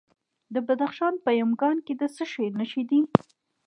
د بدخشان په یمګان کې د څه شي نښې دي؟